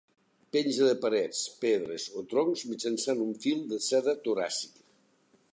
Penja de parets, pedres o troncs mitjançant un fil de seda toràcica.